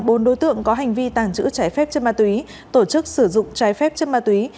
bốn đối tượng có hành vi tàng trữ trái phép chất ma túy tổ chức sử dụng trái phép chất ma túy